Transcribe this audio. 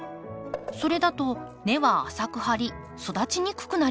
それだと根は浅く張り育ちにくくなります。